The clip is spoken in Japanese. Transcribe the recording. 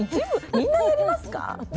みんなやりますか？